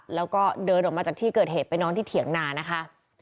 แล้วก็เดินออกมาจากที่เกิดเหตุไปนอนที่เถียงนานะคะ